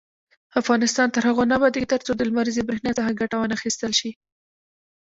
افغانستان تر هغو نه ابادیږي، ترڅو د لمریزې بریښنا څخه ګټه وانخیستل شي.